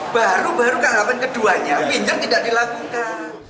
baru baru keanggapan keduanya minyak tidak dilakukan